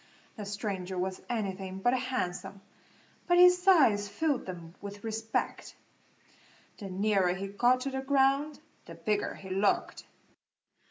The stranger was anything but handsome, but his size filled them with respect. The nearer he got to the ground the bigger he looked.